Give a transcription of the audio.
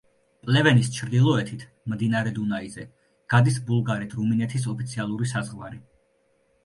პლევენის ჩრდილოეთით მდინარე დუნაიზე გადის ბულგარეთ-რუმინეთის ოფიციალური საზღვარი.